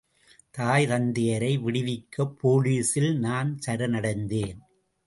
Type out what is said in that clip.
தாய் தந்தையரை விடுவிக்க போலீசில் நான் சரணடைந்தேன்.